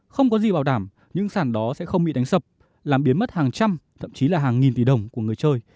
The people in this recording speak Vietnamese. không có gì bảo đảm những sản đó sẽ không bị đánh sập làm biến mất hàng trăm thậm chí là hàng nghìn tỷ đồng của người chơi